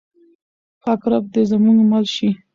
پاک رب دې زموږ مل شي.